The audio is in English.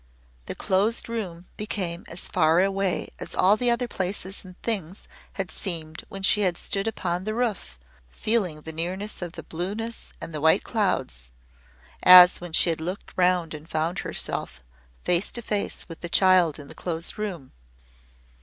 The Closed Room became as far away as all other places and things had seemed when she had stood upon the roof feeling the nearness of the blueness and the white clouds as when she had looked round and found herself face to face with the child in the Closed Room.